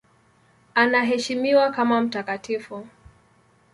Anaheshimiwa kama mtakatifu.